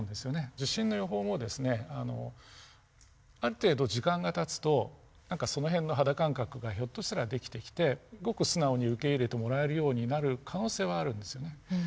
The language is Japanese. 地震の予報もですねある程度時間がたつとその辺の肌感覚がひょっとしたらできてきてごく素直に受け入れてもらえるようになる可能性はあるんですよね。